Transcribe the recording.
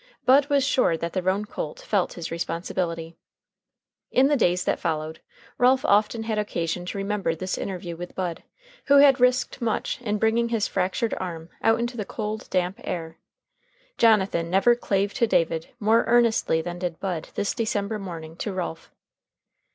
Bud was sure that the roan colt felt his responsibility. In the days that followed, Ralph often had occasion to remember this interview with Bud, who had risked much in bringing his fractured arm out into the cold, damp air. Jonathan never clave to David more earnestly than did Bud this December morning to Ralph.